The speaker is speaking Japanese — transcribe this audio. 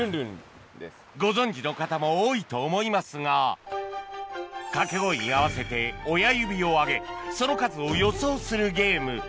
ご存じの方も多いと思いますが掛け声に合わせて親指を上げその数を予想するゲーム